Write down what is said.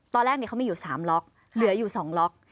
ตอนแรกเดี๋ยวเขามีอยู่สามล็อคเหลืออยู่สองล็อค